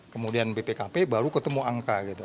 kemudian bpkp baru ketemu angka gitu